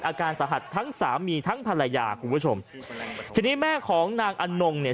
อาการสาหัสทั้งสามีทั้งภรรยาคุณผู้ชมทีนี้แม่ของนางอนงเนี่ย